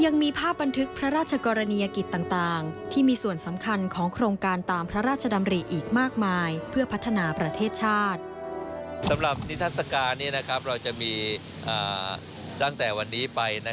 นิศักดิ์สการนี้เราจะมีตั้งแต่วันนี้ไป